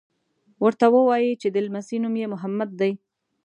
ورته ووایي چې د لمسي نوم یې محمد دی.